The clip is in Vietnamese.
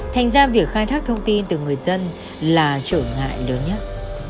thành ra việc khai thác thông tin từ người dân là trở ngại lớn nhất